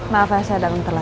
maaf ya saya dalam telat